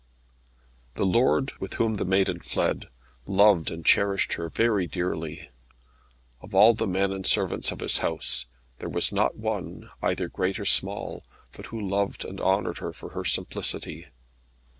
The lord, with whom the maiden fled, loved and cherished her very dearly. Of all the men and servants of his house, there was not one either great or small but who loved and honoured her for her simplicity.